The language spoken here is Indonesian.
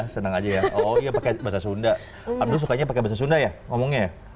senang aja ya oh iya pakai bahasa sunda abdul sukanya pakai bahasa sunda ya ngomongnya ya